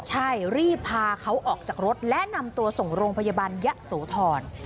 ใช่รีบพาเขาออกจากรถและนำตัวส่งโรงพยาบาลยะโสธร